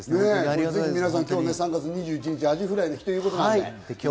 今日、３月２１日はアジフライの日ということです。